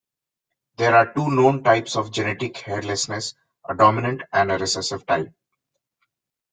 There are two known types of genetic hairlessness, a dominant and a recessive type.